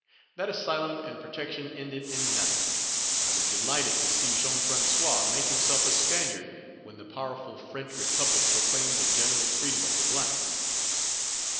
That asylum and protection ended in nothing. I was delighted to see Jean François make himself a Spaniard when the powerful French Republic proclaimed the general freedom of the blacks.